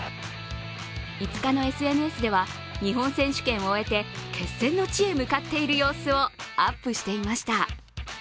５日のＳＮＳでは日本選手権を終えて決戦の地へ向かっている様子をアップしていました。